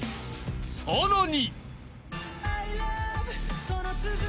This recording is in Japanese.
さらに］